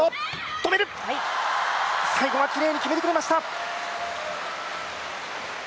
止める、最後はきれいに決めてくれました。